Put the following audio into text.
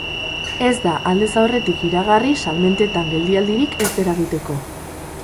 Ez da aldez aurretik iragarri salmentetan geldialdirik ez eragiteko.